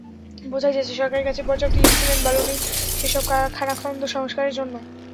বোঝাই যাচ্ছে সরকারের কাছে পর্যাপ্ত ইট-সিমেন্ট-বালু নেই সেসব খানাখন্দ সংস্কারের জন্য।